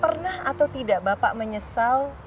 pernah atau tidak bapak menyesal